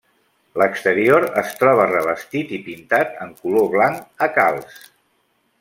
L'exterior es troba revestit i pintat en color blanc a calç.